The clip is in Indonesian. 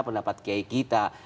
pendapat kiai kita